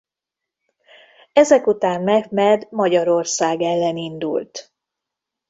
Ezek után Mehmed Magyarország ellen indult.